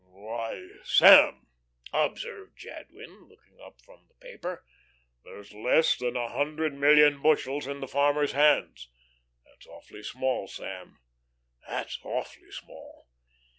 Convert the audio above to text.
"Why, Sam," observed Jadwin, looking up from the paper, "there's less than a hundred million bushels in the farmers' hands.... That's awfully small. Sam, that's awfully small."